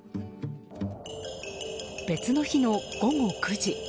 別の日の午後９時。